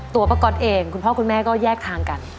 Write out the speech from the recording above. ตัวป้าก๊อตเองคุณพ่อคุณแม่ก็แยกทางกัน